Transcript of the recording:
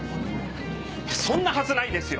そんなはずないですよ！